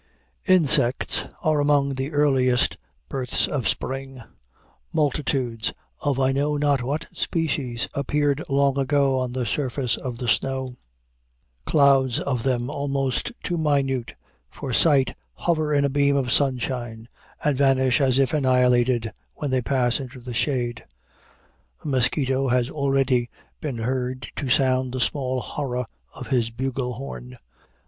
Insects are among the earliest births of spring. Multitudes, of I know not what species, appeared long ago on the surface of the snow. Clouds of them almost too minute for sight hover in a beam of sunshine, and vanish as if annihilated when they pass into the shade. A mosquito has already been heard to sound the small horror of his bugle horn.